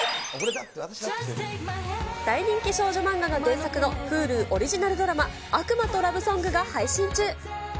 大人気少女漫画が原作のＨｕｌｕオリジナルドラマ、悪魔とラブソングが配信中。